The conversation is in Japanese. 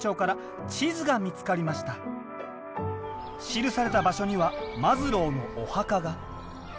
記された場所にはマズローのお墓が。